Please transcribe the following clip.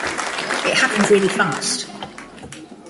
It happened really fast.